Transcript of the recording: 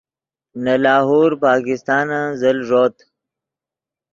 نے لاہور پاکستانن زل ݱوت